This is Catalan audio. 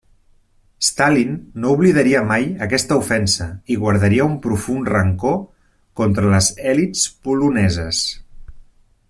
Stalin no oblidaria mai aquesta ofensa i guardaria un profund rancor contra les elits poloneses.